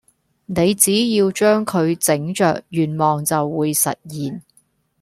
你只要將佢整着願望就會實現